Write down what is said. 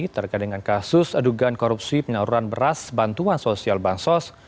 terkait dengan kasus adugan korupsi penyaluran beras bantuan sosial bansos